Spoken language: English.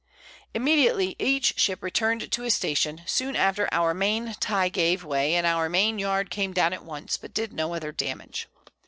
Immediately each Ship return'd to his Station; soon after our Main tye gave way, and our Main yard came down at once, but did no other Damage.